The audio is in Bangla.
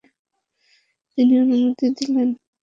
তিনি অনুমতি দিলেন।